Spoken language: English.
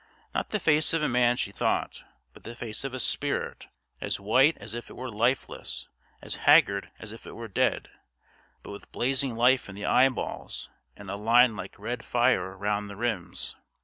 Not the face of a man she thought, but the face of a spirit, as white as if it were lifeless, as haggard as if it were dead, but with blazing life in the eyeballs and a line like red fire round their rims.